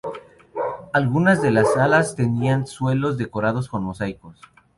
Algunas de las salas tenían suelos decorados con mosaicos.